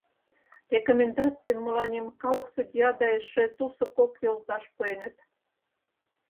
— Рекомендацийым мыланем калык судья да эше тусо кок йолташ пуэныт.